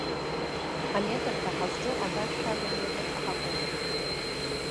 Аметр ҳәа ҳазҿу аба шәага аметр акәым.